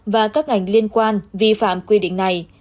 và các ngành liên quan vi phạm quy định này